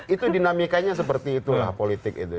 itu dinamikanya seperti itulah politik itu